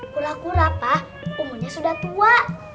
kura kura pa umurnya sudah tua